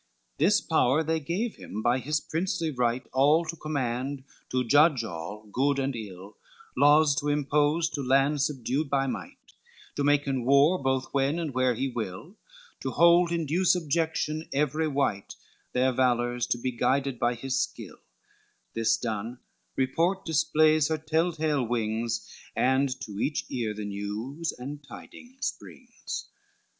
XXXIII This power they gave him, by his princely right, All to command, to judge all, good and ill, Laws to impose to lands subdued by might, To maken war both when and where he will, To hold in due subjection every wight, Their valors to be guided by his skill; This done, Report displays her tell tale wings, And to each ear the news and tidings brings.